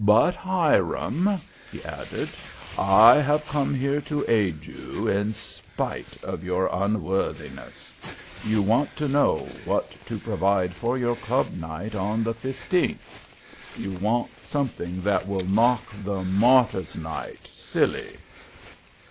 "But, Hiram," he added, "I have come here to aid you in spite of your unworthiness. You want to know what to provide for your club night on the 15th. You want something that will knock the 'Martyr's Night' silly."